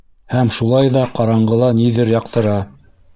Һәм шулай ҙа ҡаранғыла ниҙер яҡтыра...